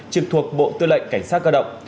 trực thuộc bộ tư lệnh cảnh sát cơ động